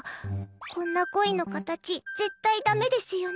こんな恋の形、絶対だめですよね。